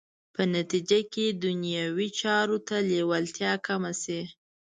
په نتیجه کې دنیوي چارو ته لېوالتیا کمه شي.